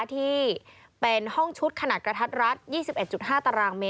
ที่เป็นห้องชุดขนาดกระทัดรัด๒๑๕ตารางเมต